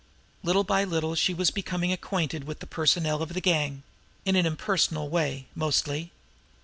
Little by little she was becoming acquainted with the personnel of the gang in an impersonal way, mostly.